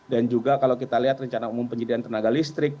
dan juga kalau kita lihat rencana umum penyediaan tenaga listrik